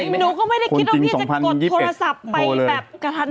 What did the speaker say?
หนูก็ไม่ได้คิดว่าพี่จะกดโทรศัพท์ไปกับถัดอะไร